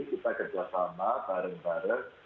kita kerjasama bareng bareng